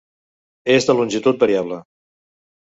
És de longitud variable.